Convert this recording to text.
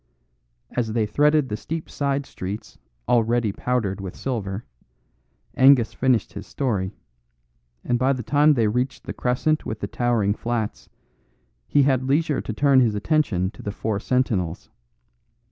As they threaded the steep side streets already powdered with silver, Angus finished his story; and by the time they reached the crescent with the towering flats, he had leisure to turn his attention to the four sentinels.